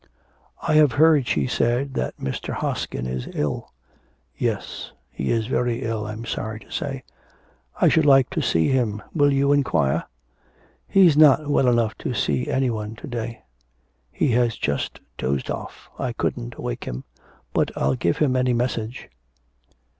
'I have heard,' she said, 'that Mr. Hoskin is ill.' 'Yes, he is very ill, I'm sorry to say.' 'I should like to see him. Will you inquire?' 'He's not well enough to see any one to day. He has just dozed off. I couldn't awake him. But I'll give him any message.'